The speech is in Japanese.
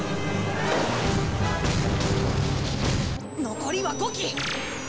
残りは５機！